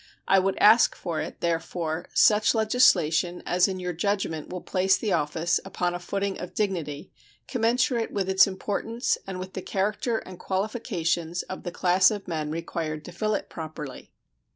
I would ask for it, therefore, such legislation as in your judgment will place the office upon a footing of dignity commensurate with its importance and with the character and qualifications of the class of men required to fill it properly.